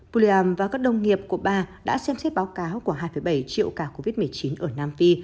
puliam và các đồng nghiệp của bà đã xem xét báo cáo của hai bảy triệu ca covid một mươi chín ở nam phi